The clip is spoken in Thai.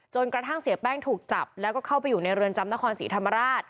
กระทั่งเสียแป้งถูกจับแล้วก็เข้าไปอยู่ในเรือนจำนครศรีธรรมราช